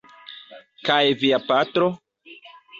Kaj via patro?